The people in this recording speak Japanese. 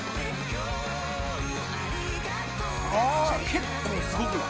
結構すごくない？